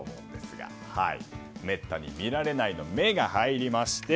めったに見られないの「メ」が入りまして。